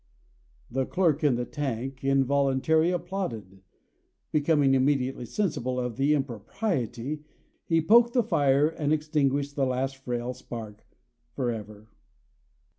The clerk in the tank involuntarily applauded. Becoming immediately sensible of the impropriety, he poked the fire, and extinguished the last frail spark for ever.